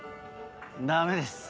ダメです